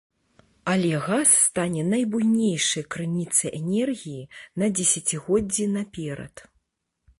Але газ стане найбуйнейшай крыніцай энергіі на дзесяцігоддзі наперад.